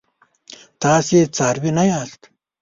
تاسي څاروي نه یاست.